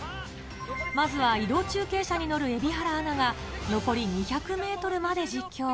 まずは移動中継車に乗る蛯原アナが、残り２００メートルまで実況。